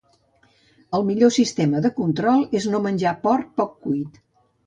El millor sistema de control és no menjar porc poc cuit.